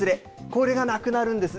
これがなくなるんです。